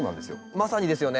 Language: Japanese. まさにですよね